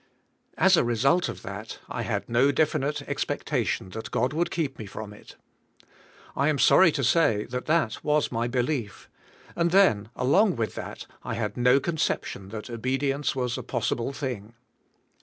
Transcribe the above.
As a result of that, I had no definite expectation that God would keep me from it. I am sorry to say that that was my belief, and then along with that I had no conception that obedience was a possible thing.